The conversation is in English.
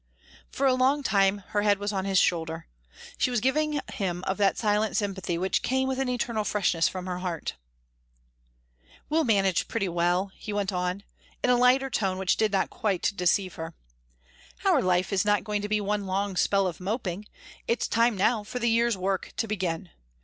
For a long time her head was on his shoulder. She was giving him of that silent sympathy which came with an eternal freshness from her heart. "We'll manage pretty well," he went on, in a lighter tone which did not quite deceive her. "Our life is not going to be one long spell of moping. It's time now for the year's work to begin.